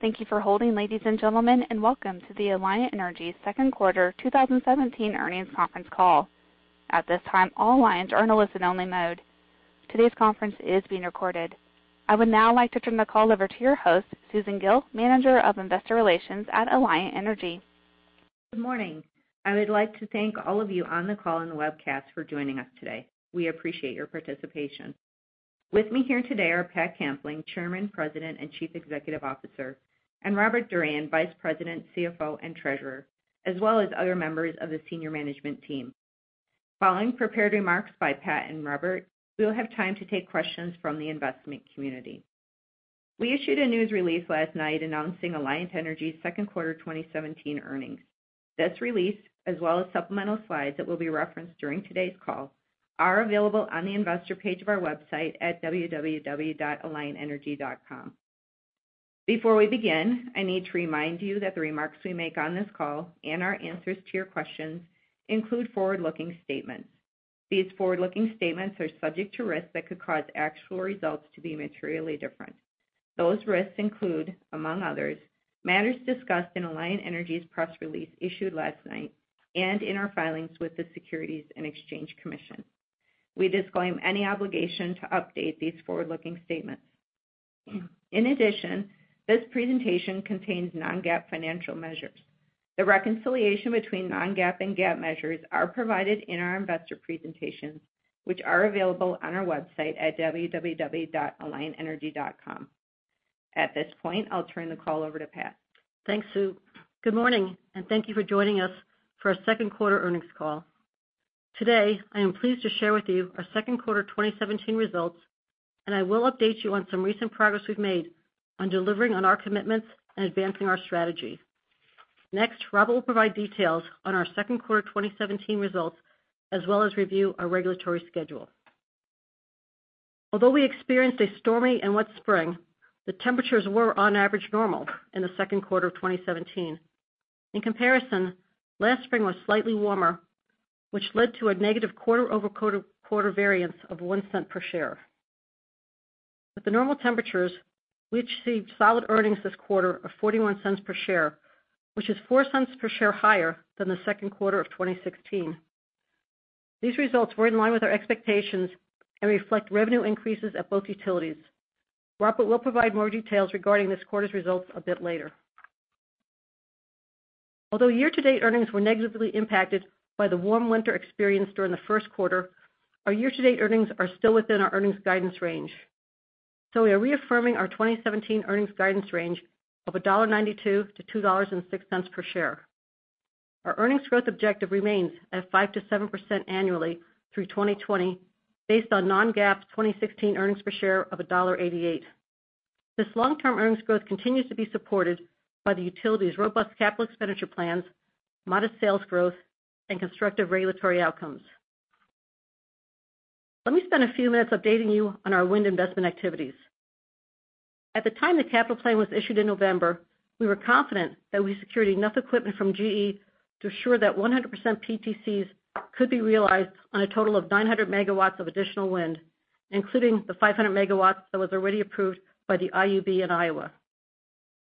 Thank you for holding, ladies and gentlemen, and welcome to the Alliant Energy second quarter 2017 earnings conference call. At this time, all lines are in a listen-only mode. Today's conference is being recorded. I would now like to turn the call over to your host, Susan Gille, Manager of Investor Relations at Alliant Energy. Good morning. I would like to thank all of you on the call and the webcast for joining us today. We appreciate your participation. With me here today are Patricia Kampling, Chairman, President, and Chief Executive Officer, and Robert Durian, Vice President, CFO, and Treasurer, as well as other members of the senior management team. Following prepared remarks by Pat and Robert, we will have time to take questions from the investment community. We issued a news release last night announcing Alliant Energy's second quarter 2017 earnings. This release, as well as supplemental slides that will be referenced during today's call, are available on the investor page of our website at www.alliantenergy.com. Before we begin, I need to remind you that the remarks we make on this call and our answers to your questions include forward-looking statements. These forward-looking statements are subject to risks that could cause actual results to be materially different. Those risks include, among others, matters discussed in Alliant Energy's press release issued last night and in our filings with the Securities and Exchange Commission. We disclaim any obligation to update these forward-looking statements. In addition, this presentation contains non-GAAP financial measures. The reconciliation between non-GAAP and GAAP measures are provided in our investor presentations, which are available on our website at www.alliantenergy.com. At this point, I'll turn the call over to Pat. Thanks, Sue. Good morning, and thank you for joining us for a second quarter earnings call. Today, I am pleased to share with you our second quarter 2017 results, and I will update you on some recent progress we've made on delivering on our commitments and advancing our strategy. Next, Rob will provide details on our second quarter 2017 results, as well as review our regulatory schedule. Although we experienced a stormy and wet spring, the temperatures were on average normal in the second quarter of 2017. In comparison, last spring was slightly warmer, which led to a negative quarter-over-quarter variance of $0.01 per share. With the normal temperatures, we achieved solid earnings this quarter of $0.41 per share, which is $0.04 per share higher than the second quarter of 2016. These results were in line with our expectations and reflect revenue increases at both utilities. Robert will provide more details regarding this quarter's results a bit later. Although year-to-date earnings were negatively impacted by the warm winter experienced during the first quarter, our year-to-date earnings are still within our earnings guidance range. We are reaffirming our 2017 earnings guidance range of $1.92-$2.06 per share. Our earnings growth objective remains at 5%-7% annually through 2020, based on non-GAAP 2016 earnings per share of $1.88. This long-term earnings growth continues to be supported by the utility's robust capital expenditure plans, modest sales growth, and constructive regulatory outcomes. Let me spend a few minutes updating you on our wind investment activities. At the time the capital plan was issued in November, we were confident that we secured enough equipment from GE to ensure that 100% PTCs could be realized on a total of 900 MW of additional wind, including the 500 MW that was already approved by the IUB in Iowa.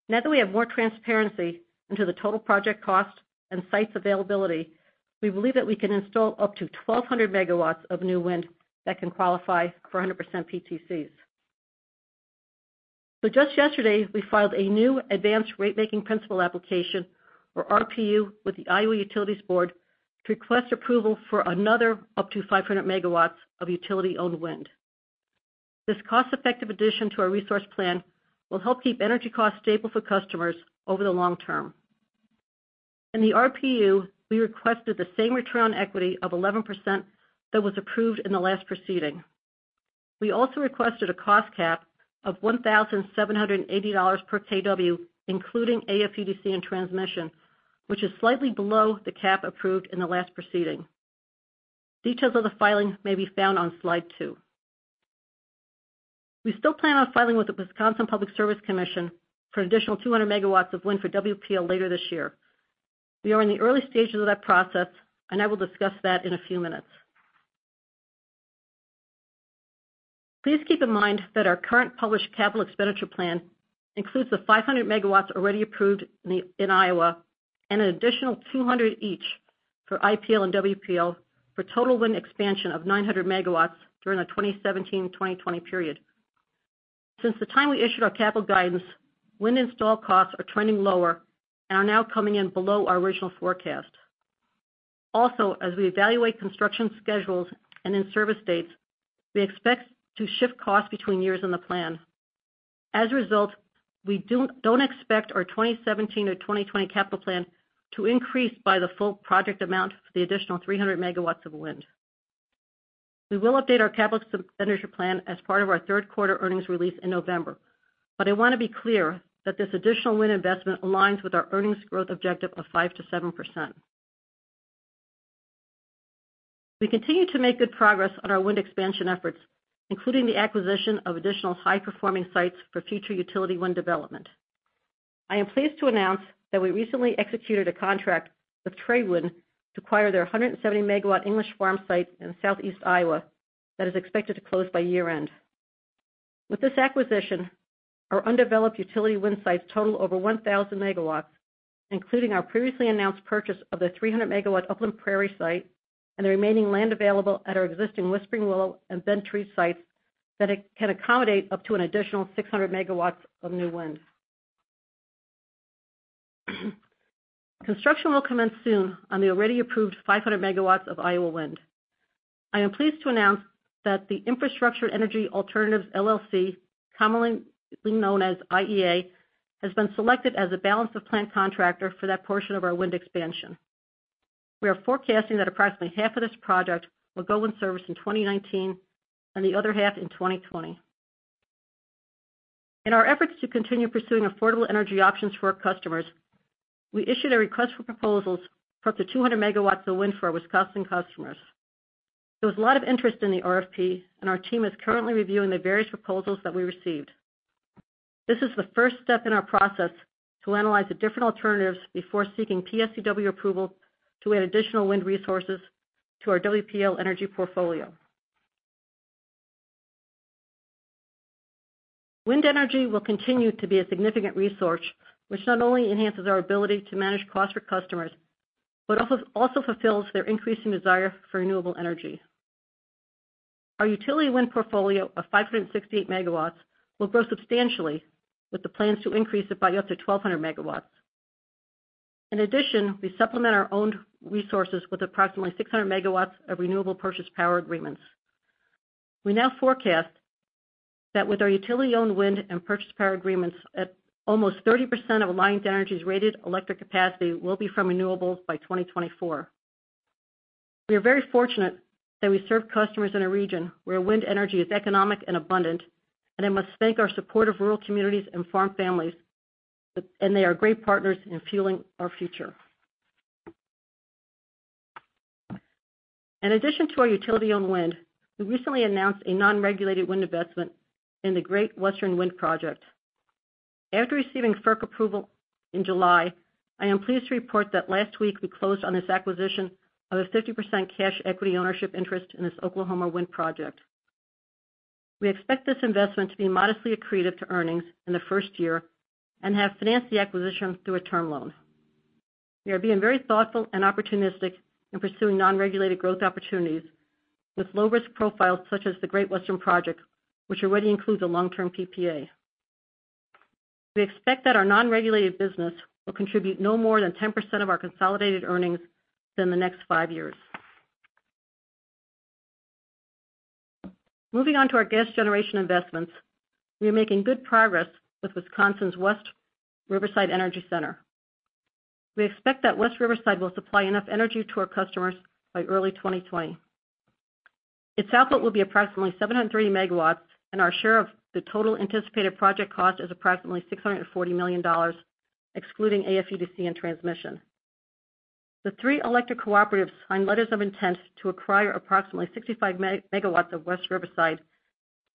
Now that we have more transparency into the total project cost and sites availability, we believe that we can install up to 1,200 MW of new wind that can qualify for 100% PTCs. Just yesterday, we filed a new advanced rate-making principle application, or RPU, with the Iowa Utilities Board to request approval for another up to 500 MW of utility-owned wind. This cost-effective addition to our resource plan will help keep energy costs stable for customers over the long term. In the RPU, we requested the same return on equity of 11% that was approved in the last proceeding. We also requested a cost cap of $1,780 per kW, including AFUDC and transmission, which is slightly below the cap approved in the last proceeding. Details of the filing may be found on slide two. We still plan on filing with the Wisconsin Public Service Commission for an additional 200 MW of wind for WPL later this year. We are in the early stages of that process, and I will discuss that in a few minutes. Please keep in mind that our current published capital expenditure plan includes the 500 MW already approved in Iowa and an additional 200 each for IPL and WPL for total wind expansion of 900 MW during the 2017-2020 period. Since the time we issued our capital guidance, wind install costs are trending lower and are now coming in below our original forecast. Also, as we evaluate construction schedules and in-service dates, we expect to shift costs between years in the plan. As a result, we don't expect our 2017-2020 capital plan to increase by the full project amount for the additional 300 MW of wind. We will update our capital expenditure plan as part of our third-quarter earnings release in November. I want to be clear that this additional wind investment aligns with our earnings growth objective of 5%-7%. We continue to make good progress on our wind expansion efforts, including the acquisition of additional high-performing sites for future utility wind development. I am pleased to announce that we recently executed a contract with Tradewind Energy to acquire their 170-megawatt English Farms site in southeast Iowa. That is expected to close by year-end. With this acquisition, our undeveloped utility wind sites total over 1,000 megawatts, including our previously announced purchase of the 300-megawatt Upland Prairie site and the remaining land available at our existing Whispering Willow and Bent Tree sites that can accommodate up to an additional 600 megawatts of new wind. Construction will commence soon on the already approved 500 megawatts of Iowa wind. I am pleased to announce that the Infrastructure and Energy Alternatives, LLC, commonly known as IEA, has been selected as a balance-of-plant contractor for that portion of our wind expansion. We are forecasting that approximately half of this project will go in service in 2019 and the other half in 2020. In our efforts to continue pursuing affordable energy options for our customers, we issued a request for proposals for up to 200 megawatts of wind for our Wisconsin customers. There was a lot of interest in the RFP, and our team is currently reviewing the various proposals that we received. This is the first step in our process to analyze the different alternatives before seeking PSCW approval to add additional wind resources to our WPL energy portfolio. Wind energy will continue to be a significant resource, which not only enhances our ability to manage costs for customers, but also fulfills their increasing desire for renewable energy. Our utility wind portfolio of 568 megawatts will grow substantially with the plans to increase it by up to 1,200 megawatts. In addition, we supplement our owned resources with approximately 600 megawatts of renewable purchase power agreements. We now forecast that with our utility-owned wind and purchase power agreements at almost 30% of Alliant Energy's rated electric capacity will be from renewables by 2024. We are very fortunate that we serve customers in a region where wind energy is economic and abundant, and I must thank our supportive rural communities and farm families, and they are great partners in fueling our future. In addition to our utility-owned wind, we recently announced a non-regulated wind investment in the Great Western Wind Project. After receiving FERC approval in July, I am pleased to report that last week we closed on this acquisition of a 50% cash equity ownership interest in this Oklahoma wind project. We expect this investment to be modestly accretive to earnings in the first year and have financed the acquisition through a term loan. We are being very thoughtful and opportunistic in pursuing non-regulated growth opportunities with low-risk profiles such as the Great Western Wind Project, which already includes a long-term PPA. We expect that our non-regulated business will contribute no more than 10% of our consolidated earnings within the next five years. Moving on to our gas generation investments, we are making good progress with Wisconsin's West Riverside Energy Center. We expect that West Riverside will supply enough energy to our customers by early 2020. Its output will be approximately 730 megawatts, and our share of the total anticipated project cost is approximately $640 million, excluding AFUDC and transmission. The three electric cooperatives signed letters of intent to acquire approximately 65 megawatts of West Riverside,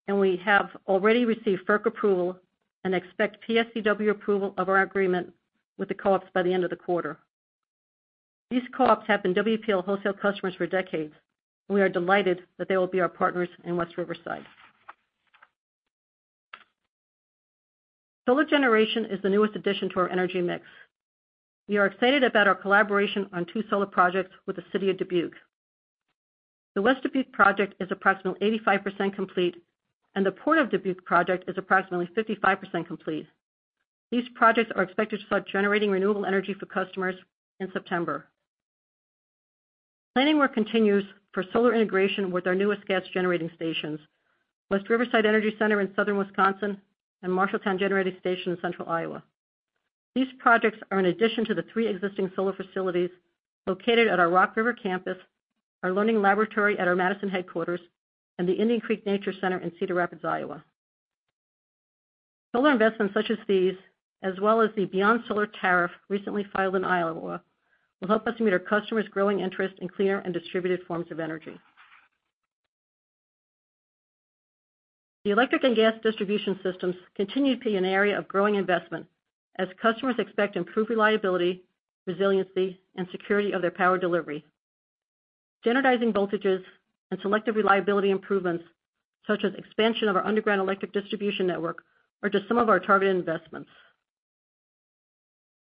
and we have already received FERC approval and expect PSCW approval of our agreement with the co-ops by the end of the quarter. These co-ops have been WPL wholesale customers for decades. We are delighted that they will be our partners in West Riverside. Solar generation is the newest addition to our energy mix. We are excited about our collaboration on two solar projects with the City of Dubuque. The West Dubuque project is approximately 85% complete, and the Port of Dubuque project is approximately 55% complete. These projects are expected to start generating renewable energy for customers in September. Planning work continues for solar integration with our newest gas-generating stations, West Riverside Energy Center in southern Wisconsin and Marshalltown Generating Station in central Iowa. These projects are an addition to the three existing solar facilities located at our Rock River Campus, our learning laboratory at our Madison headquarters, and the Indian Creek Nature Center in Cedar Rapids, Iowa. Solar investments such as these, as well as the Beyond Solar tariff recently filed in Iowa, will help us meet our customers' growing interest in cleaner and distributed forms of energy. The electric and gas distribution systems continue to be an area of growing investment as customers expect improved reliability, resiliency, and security of their power delivery. Standardizing voltages and selective reliability improvements, such as expansion of our underground electric distribution network, are just some of our targeted investments.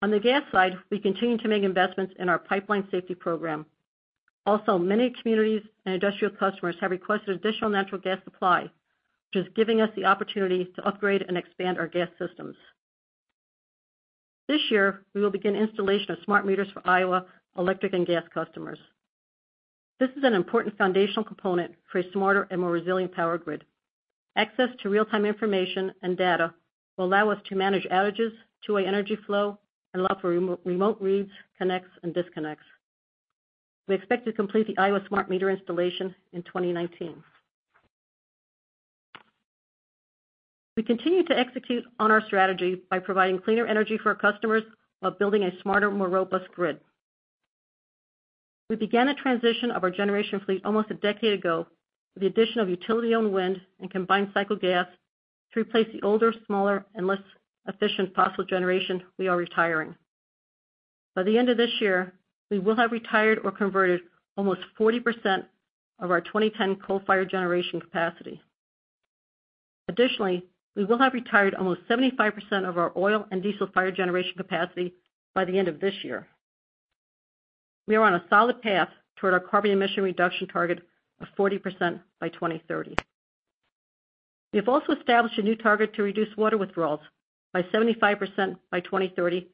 On the gas side, we continue to make investments in our pipeline safety program. Many communities and industrial customers have requested additional natural gas supply, which is giving us the opportunity to upgrade and expand our gas systems. This year, we will begin installation of smart meters for Iowa electric and gas customers. This is an important foundational component for a smarter and more resilient power grid. Access to real-time information and data will allow us to manage outages, two-way energy flow, and allow for remote reads, connects, and disconnects. We expect to complete the Iowa smart meter installation in 2019. We continue to execute on our strategy by providing cleaner energy for our customers while building a smarter, more robust grid. We began a transition of our generation fleet almost a decade ago with the addition of utility-owned wind and combined cycle gas to replace the older, smaller, and less efficient fossil generation we are retiring. By the end of this year, we will have retired or converted almost 40% of our 2010 coal-fired generation capacity. We will have retired almost 75% of our oil and diesel-fired generation capacity by the end of this year. We are on a solid path toward our carbon emission reduction target of 40% by 2030. We have established a new target to reduce water withdrawals by 75% by 2030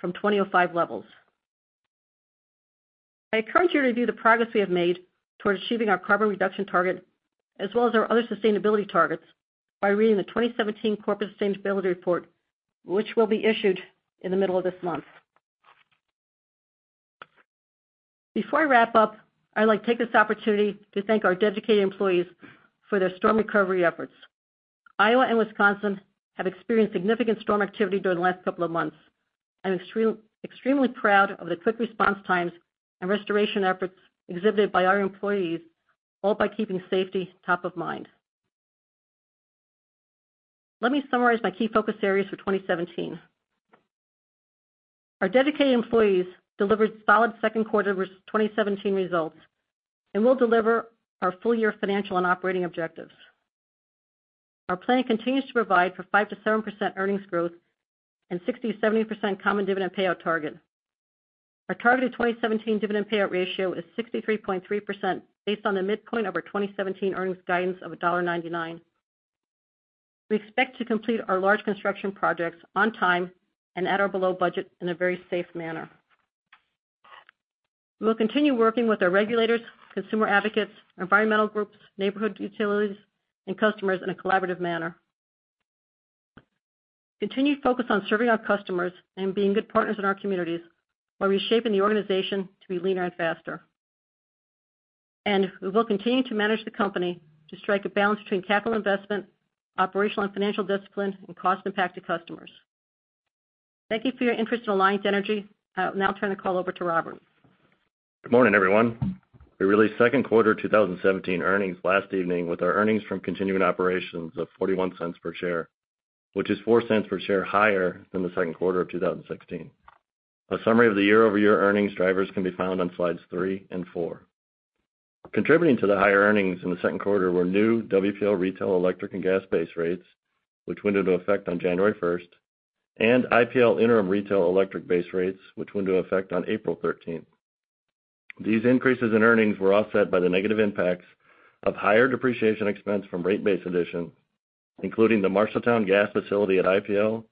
from 2005 levels. I encourage you to review the progress we have made toward achieving our carbon reduction target, as well as our other sustainability targets by reading the 2017 Corporate Sustainability Report, which will be issued in the middle of this month. Before I wrap up, I'd like to take this opportunity to thank our dedicated employees for their storm recovery efforts. Iowa and Wisconsin have experienced significant storm activity during the last couple of months. I'm extremely proud of the quick response times and restoration efforts exhibited by our employees, all by keeping safety top of mind. Let me summarize my key focus areas for 2017. Our dedicated employees delivered solid Q2 2017 results, and will deliver our full-year financial and operating objectives. Our plan continues to provide for 5% to 7% earnings growth and 60% to 70% common dividend payout target. Our targeted 2017 dividend payout ratio is 63.3%, based on the midpoint of our 2017 earnings guidance of $1.99. We expect to complete our large construction projects on time and at or below budget in a very safe manner. We'll continue working with our regulators, consumer advocates, environmental groups, neighborhood utilities, and customers in a collaborative manner. Continued focus on serving our customers and being good partners in our communities while reshaping the organization to be leaner and faster. We will continue to manage the company to strike a balance between capital investment, operational and financial discipline, and cost impact to customers. Thank you for your interest in Alliant Energy. I'll now turn the call over to Robert. Good morning, everyone. We released second quarter 2017 earnings last evening with our earnings from continuing operations of $0.41 per share, which is $0.04 per share higher than the second quarter of 2016. A summary of the year-over-year earnings drivers can be found on slides three and four. Contributing to the higher earnings in the second quarter were new WPL retail electric and gas base rates, which went into effect on January 1st, and IPL interim retail electric base rates, which went into effect on April 13th. These increases in earnings were offset by the negative impacts of higher depreciation expense from rate base additions, including the Marshalltown Generating Station at IPL,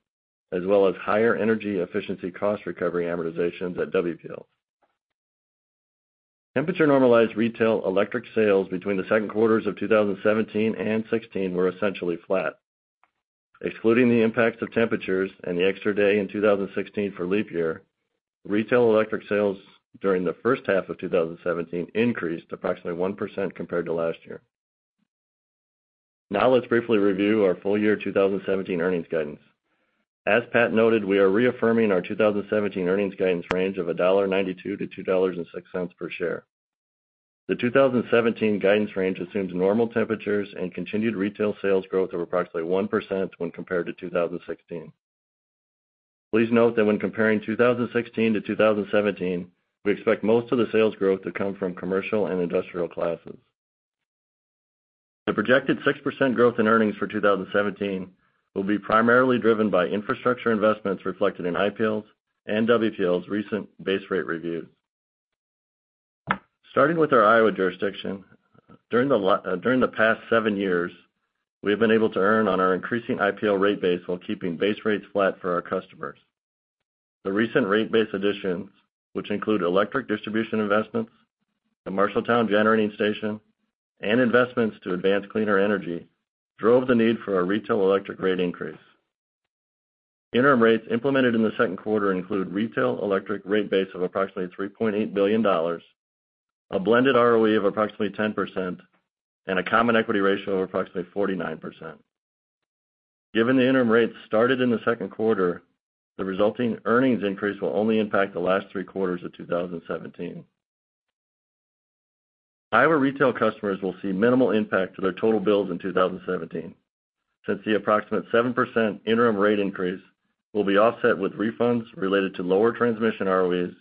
as well as higher energy efficiency cost recovery amortizations at WPL. Temperature-normalized retail electric sales between the second quarters of 2017 and 2016 were essentially flat. Excluding the impacts of temperatures and the extra day in 2016 for leap year, retail electric sales during the first half of 2017 increased approximately 1% compared to last year. Let's briefly review our full-year 2017 earnings guidance. As Pat noted, we are reaffirming our 2017 earnings guidance range of $1.92 to $2.06 per share. The 2017 guidance range assumes normal temperatures and continued retail sales growth of approximately 1% when compared to 2016. Please note that when comparing 2016 to 2017, we expect most of the sales growth to come from commercial and industrial classes. The projected 6% growth in earnings for 2017 will be primarily driven by infrastructure investments reflected in IPL's and WPL's recent base rate reviews. Starting with our Iowa jurisdiction, during the past seven years, we have been able to earn on our increasing IPL rate base while keeping base rates flat for our customers. The recent rate base additions, which include electric distribution investments, the Marshalltown Generating Station, and investments to advance cleaner energy, drove the need for a retail electric rate increase. Interim rates implemented in the second quarter include retail electric rate base of approximately $3.8 billion, a blended ROE of approximately 10%, and a common equity ratio of approximately 49%. Given the interim rates started in the second quarter, the resulting earnings increase will only impact the last three quarters of 2017. Iowa retail customers will see minimal impact to their total bills in 2017, since the approximate 7% interim rate increase will be offset with refunds related to lower transmission ROEs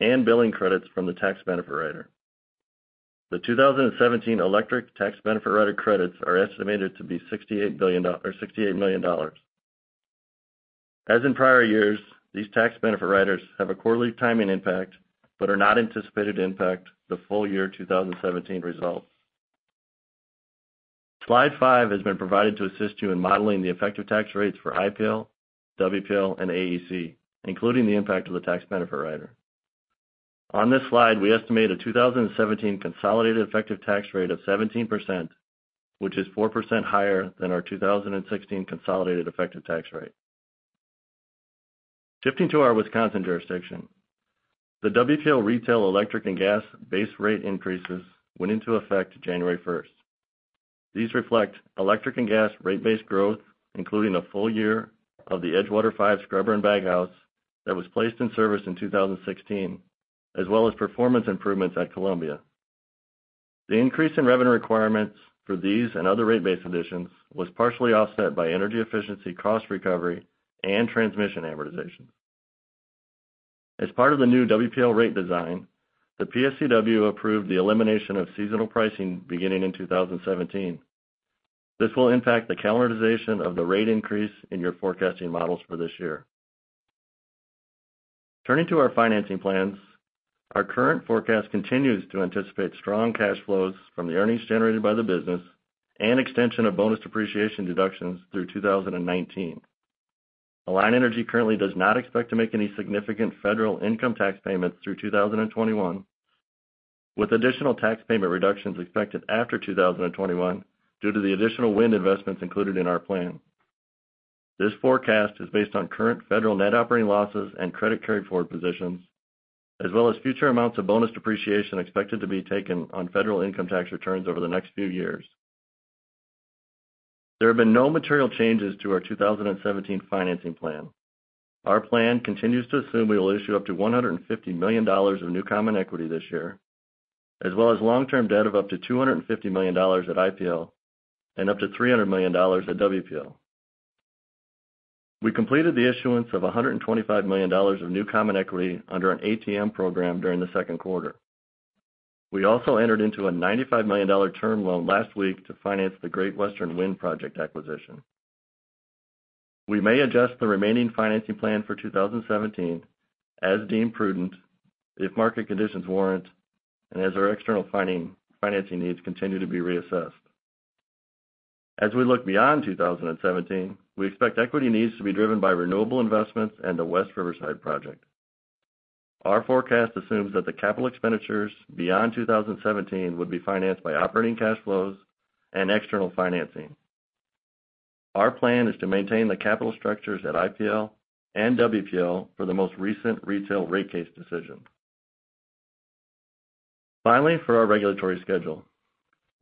and billing credits from the tax benefit rider. The 2017 electric tax benefit rider credits are estimated to be $68 million. As in prior years, these tax benefit riders have a quarterly timing impact but are not anticipated to impact the full-year 2017 results. Slide five has been provided to assist you in modeling the effective tax rates for IPL, WPL, and AEC, including the impact of the tax benefit rider. On this slide, we estimate a 2017 consolidated effective tax rate of 17%, which is 4% higher than our 2016 consolidated effective tax rate. Shifting to our Wisconsin jurisdiction, the WPL retail electric and gas base rate increases went into effect January 1st. These reflect electric and gas rate base growth, including a full year of the Edgewater 5 scrubber and baghouse that was placed in service in 2016, as well as performance improvements at Columbia. The increase in revenue requirements for these and other rate base additions was partially offset by energy efficiency, cost recovery, and transmission amortization. As part of the new WPL rate design, the PSCW approved the elimination of seasonal pricing beginning in 2017. This will impact the calendarization of the rate increase in your forecasting models for this year. Turning to our financing plans, our current forecast continues to anticipate strong cash flows from the earnings generated by the business and extension of bonus depreciation deductions through 2019. Alliant Energy currently does not expect to make any significant federal income tax payments through 2021, with additional tax payment reductions expected after 2021 due to the additional wind investments included in our plan. This forecast is based on current federal net operating losses and credit carryforward positions, as well as future amounts of bonus depreciation expected to be taken on federal income tax returns over the next few years. There have been no material changes to our 2017 financing plan. Our plan continues to assume we will issue up to $150 million of new common equity this year, as well as long-term debt of up to $250 million at IPL and up to $300 million at WPL. We completed the issuance of $125 million of new common equity under an ATM program during the second quarter. We also entered into a $95 million term loan last week to finance the Great Western Wind project acquisition. We may adjust the remaining financing plan for 2017 as deemed prudent if market conditions warrant and as our external financing needs continue to be reassessed. As we look beyond 2017, we expect equity needs to be driven by renewable investments and the West Riverside project. Our forecast assumes that the capital expenditures beyond 2017 would be financed by operating cash flows and external financing. Our plan is to maintain the capital structures at IPL and WPL for the most recent retail rate case decision. Finally, for our regulatory schedule.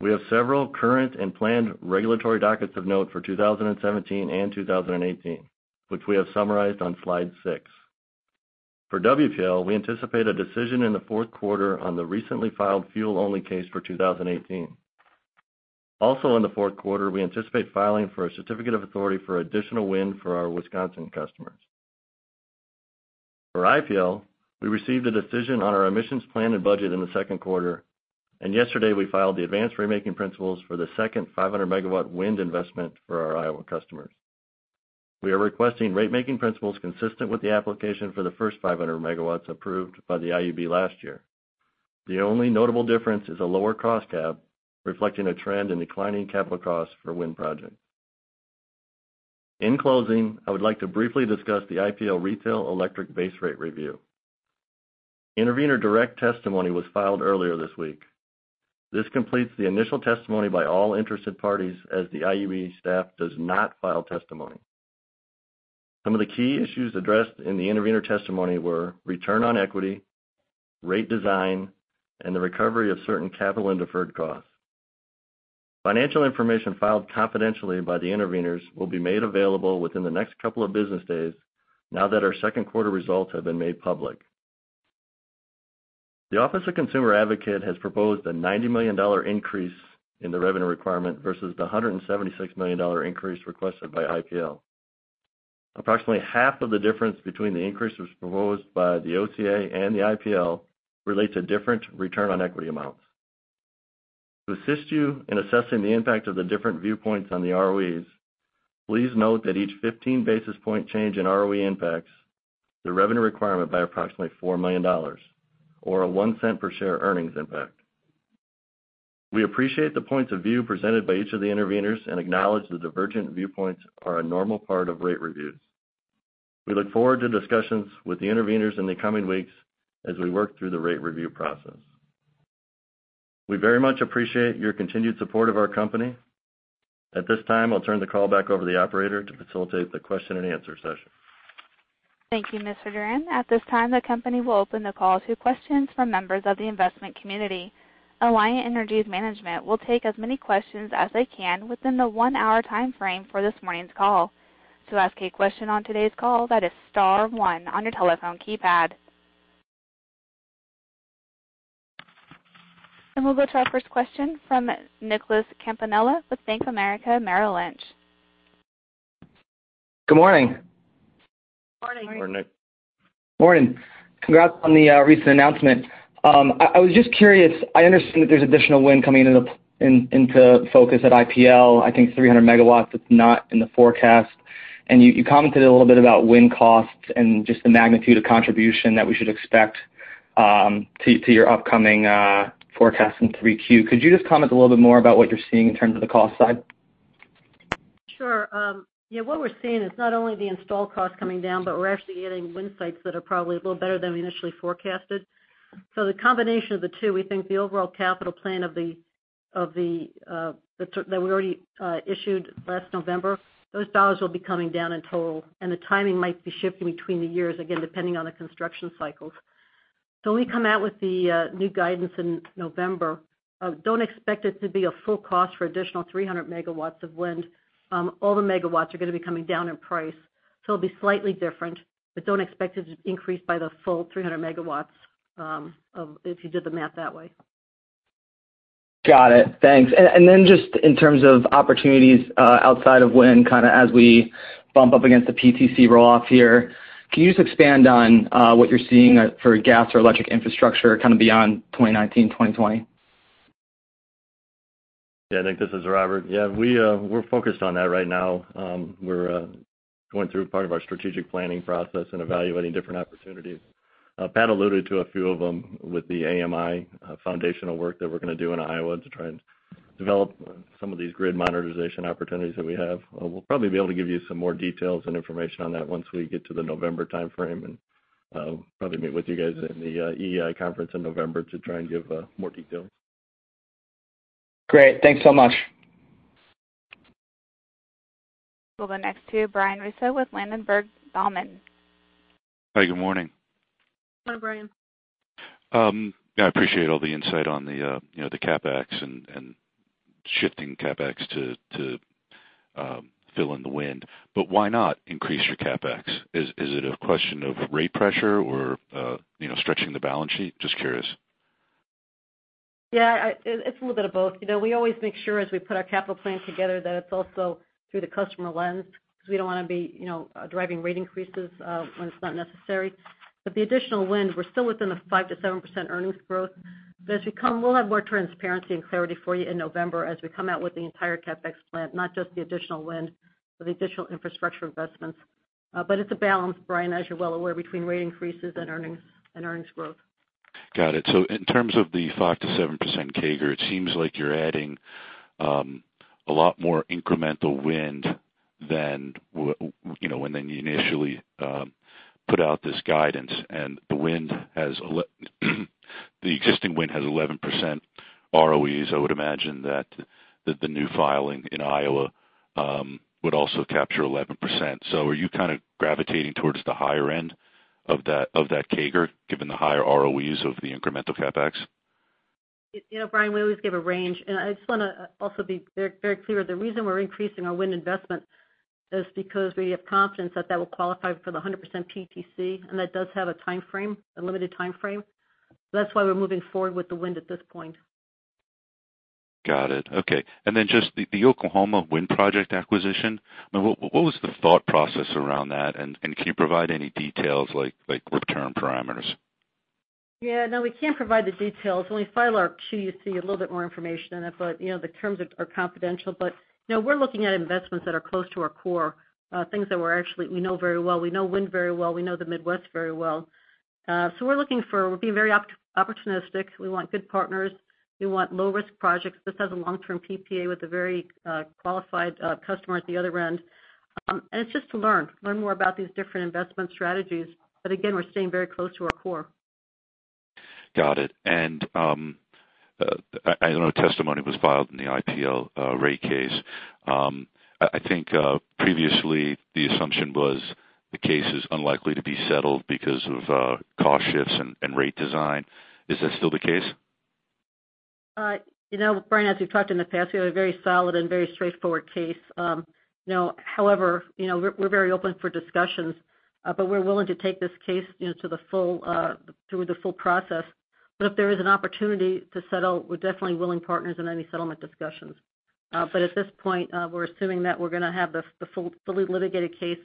We have several current and planned regulatory dockets of note for 2017 and 2018, which we have summarized on slide six. For WPL, we anticipate a decision in the fourth quarter on the recently filed fuel-only case for 2018. Also in the fourth quarter, we anticipate filing for a certificate of authority for additional wind for our Wisconsin customers. For IPL, we received a decision on our emissions plan and budget in the second quarter. Yesterday, we filed the Advanced Rate-making Principles for the second 500-megawatt wind investment for our Iowa customers. We are requesting Rate-making Principles consistent with the application for the first 500 megawatts approved by the IUB last year. The only notable difference is a lower cost tab, reflecting a trend in declining capital costs for wind projects. In closing, I would like to briefly discuss the IPL retail electric base rate review. Intervenor direct testimony was filed earlier this week. This completes the initial testimony by all interested parties as the IUB staff does not file testimony. Some of the key issues addressed in the intervener testimony were return on equity, rate design, and the recovery of certain capital and deferred costs. Financial information filed confidentially by the intervenors will be made available within the next couple of business days now that our second quarter results have been made public. The Iowa Office of Consumer Advocate has proposed a $90 million increase in the revenue requirement versus the $176 million increase requested by IPL. Approximately half of the difference between the increases proposed by the OCA and the IPL relate to different return on equity amounts. To assist you in assessing the impact of the different viewpoints on the ROEs, please note that each 15 basis points change in ROE impacts the revenue requirement by approximately $4 million, or a $0.01-per-share earnings impact. We appreciate the points of view presented by each of the intervenors and acknowledge that divergent viewpoints are a normal part of rate reviews. We look forward to discussions with the intervenors in the coming weeks as we work through the rate review process. We very much appreciate your continued support of our company. At this time, I'll turn the call back over to the operator to facilitate the question-and-answer session. Thank you, Mr. Durian. At this time, the company will open the call to questions from members of the investment community. Alliant Energy's management will take as many questions as they can within the one-hour time frame for this morning's call. To ask a question on today's call, that is star one on your telephone keypad. We'll go to our first question from Nicholas Campanella with Bank of America Merrill Lynch. Good morning. Morning. Morning. Morning. Congrats on the recent announcement. I was just curious, I understand that there's additional wind coming into focus at IPL, I think 300 megawatts that's not in the forecast. You commented a little bit about wind costs and just the magnitude of contribution that we should expect to your upcoming forecast in 3Q. Could you just comment a little bit more about what you're seeing in terms of the cost side? Sure. Yeah. What we're seeing is not only the install costs coming down, but we're actually getting wind sites that are probably a little better than we initially forecasted. The combination of the two, we think the overall capital plan that we already issued last November, those dollars will be coming down in total, and the timing might be shifting between the years, again, depending on the construction cycles. When we come out with the new guidance in November, don't expect it to be a full cost for additional 300 megawatts of wind. All the megawatts are going to be coming down in price. It'll be slightly different, but don't expect it to increase by the full 300 megawatts if you did the math that way. Got it. Thanks. Just in terms of opportunities outside of wind, kind of as we bump up against the PTC roll-off here, can you just expand on what you're seeing for gas or electric infrastructure kind of beyond 2019, 2020? I think this is Robert. We're focused on that right now. We're going through part of our strategic planning process and evaluating different opportunities. Pat alluded to a few of them with the AMI foundational work that we're going to do in Iowa to try and develop some of these grid monetization opportunities that we have. We'll probably be able to give you some more details and information on that once we get to the November timeframe, probably meet with you guys in the EEI conference in November to try and give more details. Great. Thanks so much. We'll go next to Brian Russo with Ladenburg Thalmann. Hi, good morning. Hi, Brian. Yeah, I appreciate all the insight on the CapEx and shifting CapEx to fill in the wind. Why not increase your CapEx? Is it a question of rate pressure or stretching the balance sheet? Just curious. Yeah, it's a little bit of both. We always make sure as we put our capital plan together that it's also through the customer lens, because we don't want to be driving rate increases when it's not necessary. The additional wind, we're still within a 5%-7% earnings growth. As we come, we'll have more transparency and clarity for you in November as we come out with the entire CapEx plan, not just the additional wind, but the additional infrastructure investments. It's a balance, Brian, as you're well aware, between rate increases and earnings growth. Got it. In terms of the 5%-7% CAGR, it seems like you're adding a lot more incremental wind than when they initially put out this guidance. The existing wind has 11% ROEs. I would imagine that the new filing in Iowa would also capture 11%. Are you kind of gravitating towards the higher end of that CAGR, given the higher ROEs of the incremental CapEx? Brian, we always give a range. I just want to also be very clear. The reason we're increasing our wind investment is because we have confidence that that will qualify for the 100% PTC, and that does have a timeframe, a limited timeframe. That's why we're moving forward with the wind at this point. Got it. Okay. Just the Oklahoma wind project acquisition, what was the thought process around that? Can you provide any details like return parameters? Yeah, no, we can't provide the details. When we file our Q, you see a little bit more information in it, but the terms are confidential. We're looking at investments that are close to our core, things that we know very well. We know wind very well. We know the Midwest very well. We're looking for, we're being very opportunistic. We want good partners. We want low-risk projects. This has a long-term PPA with a very qualified customer at the other end. It's just to learn more about these different investment strategies. Again, we're staying very close to our core. Got it. I know testimony was filed in the IPL rate case. I think previously the assumption was the case is unlikely to be settled because of cost shifts and rate design. Is that still the case? Brian, as we've talked in the past, we have a very solid and very straightforward case. However, we're very open for discussions, we're willing to take this case through the full process. If there is an opportunity to settle, we're definitely willing partners in any settlement discussions. At this point, we're assuming that we're going to have the fully litigated case.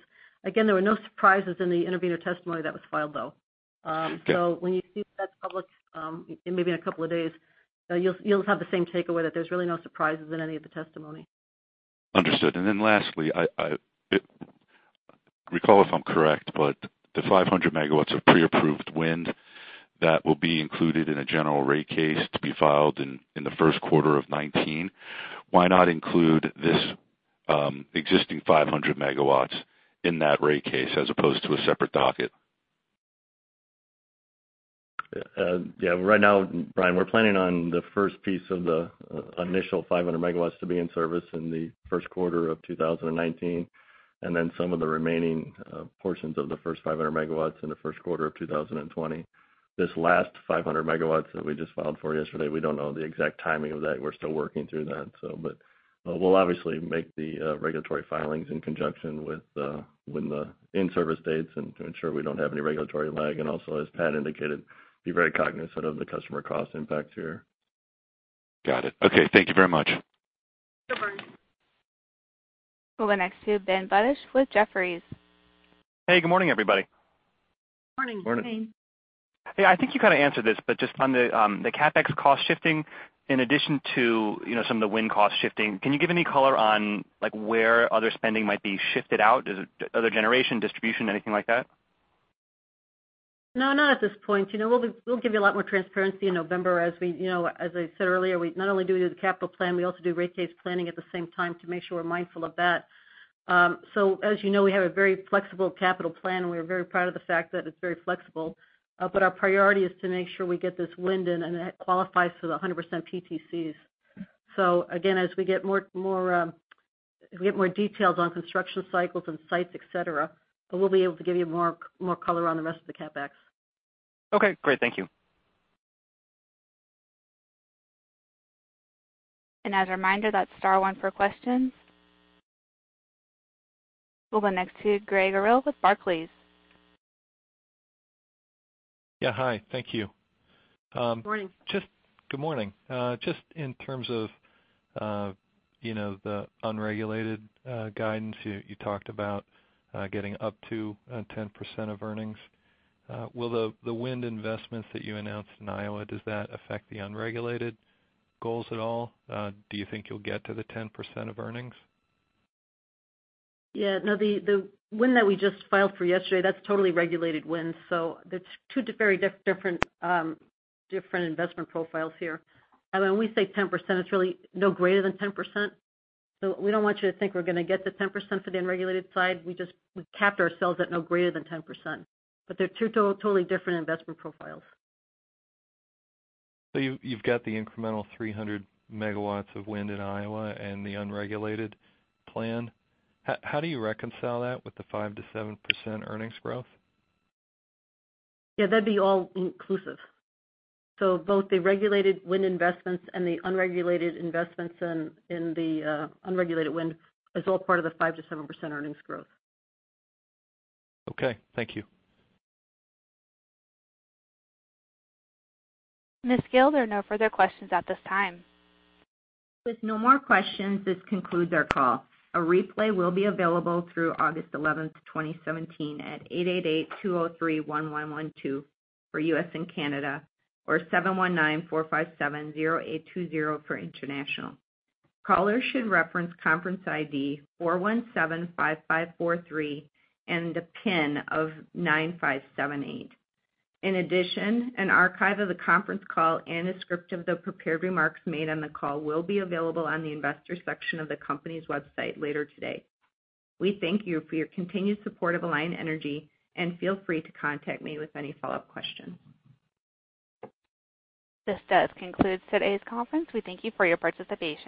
Again, there were no surprises in the intervener testimony that was filed, though. Okay. When you see that public, maybe in a couple of days, you'll have the same takeaway that there's really no surprises in any of the testimony. Understood. Lastly, recall if I'm correct, but the 500 megawatts of pre-approved wind that will be included in a general rate case to be filed in the first quarter of 2019. Why not include this existing 500 megawatts in that rate case as opposed to a separate docket? Yeah. Right now, Brian, we're planning on the first piece of the initial 500 megawatts to be in service in the first quarter of 2019, and then some of the remaining portions of the first 500 megawatts in the first quarter of 2020. This last 500 megawatts that we just filed for yesterday, we don't know the exact timing of that. We're still working through that. We'll obviously make the regulatory filings in conjunction with when the in-service dates and to ensure we don't have any regulatory lag, and also, as Pat indicated, be very cognizant of the customer cost impact here. Got it. Okay. Thank you very much. Sure, Brian. We'll go next to Ben Buttigieg with Jefferies. Hey, good morning, everybody. Morning. Morning. Yeah, I think you kind of answered this, but just on the CapEx cost shifting, in addition to some of the wind cost shifting, can you give any color on where other spending might be shifted out? Is it other generation, distribution, anything like that? No, not at this point. We'll give you a lot more transparency in November. As I said earlier, we not only do the capital plan, we also do rate case planning at the same time to make sure we're mindful of that. As you know, we have a very flexible capital plan, and we're very proud of the fact that it's very flexible. Our priority is to make sure we get this wind in and that qualifies for the 100% PTCs. Again, as we get more details on construction cycles and sites, et cetera, we'll be able to give you more color on the rest of the CapEx. Okay, great. Thank you. As a reminder, that's star one for questions. We'll go next to Gregg Erel with Barclays. Yeah, hi. Thank you. Morning. Good morning. Just in terms of the unregulated guidance you talked about getting up to 10% of earnings. Will the wind investments that you announced in Iowa, does that affect the unregulated goals at all? Do you think you'll get to the 10% of earnings? Yeah. No, the wind that we just filed for yesterday, that's totally regulated wind. That's two very different investment profiles here. When we say 10%, it's really no greater than 10%. We don't want you to think we're going to get to 10% for the unregulated side. We capped ourselves at no greater than 10%, they're two totally different investment profiles. You've got the incremental 300 MW of wind in Iowa and the unregulated plan. How do you reconcile that with the 5%-7% earnings growth? Yeah, that'd be all-inclusive. Both the regulated wind investments and the unregulated investments in the unregulated wind is all part of the 5%-7% earnings growth. Okay, thank you. Ms. Gille, there are no further questions at this time. With no more questions, this concludes our call. A replay will be available through August 11th, 2017, at 888-203-1112 for U.S. and Canada, or 719-457-0820 for international. Callers should reference conference ID 4175543 and the pin of 9578. In addition, an archive of the conference call and a script of the prepared remarks made on the call will be available on the investor section of the company's website later today. We thank you for your continued support of Alliant Energy, and feel free to contact me with any follow-up questions. This does conclude today's conference. We thank you for your participation.